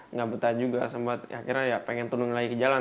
nggak betah juga sempat akhirnya ya pengen turun lagi ke jalan